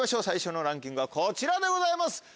最初のランキングはこちらでございます。